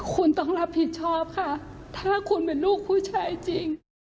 คุณต้องรับผิดชอบค่ะถ้าคุณเป็นลูกผู้ชายจริง